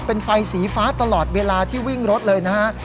เป็นไฟสีฟ้าตลอดเวลาที่วิ่งรถเลยนะฮะ